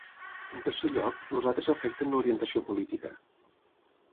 En tercer lloc, els altres afecten l'orientació política.